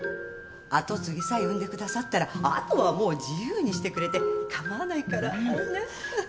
跡継ぎさえ産んでくださったらあとはもう自由にしてくれて構わないから。